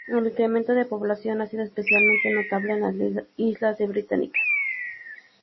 El incremento de población ha sido especialmente notable en las islas británicas.